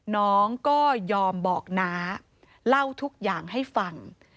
น้องก็ยอมบอกน้าเล่าทุกอย่างให้ฟัง